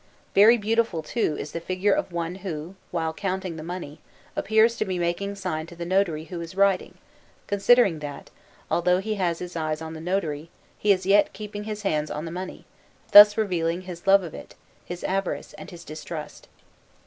Very beautiful, too, is the figure of one who, while counting the money, appears to be making sign to the notary who is writing, considering that, although he has his eyes on the notary, he is yet keeping his hands on the money, thus revealing his love of it, his avarice, and his distrust.